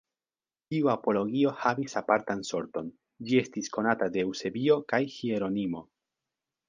Tiu apologio havis apartan sorton, Ĝi estis konata de Eŭsebio kaj Hieronimo.